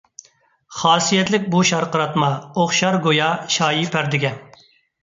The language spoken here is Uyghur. خاسىيەتلىك بۇ شارقىراتما، ئوخشار گويا شايى پەردىگە.